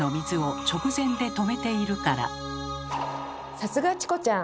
さすがチコちゃん！